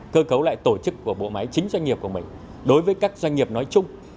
cơ cấu lại tổ chức của bộ máy chính doanh nghiệp của mình đối với các doanh nghiệp nói chung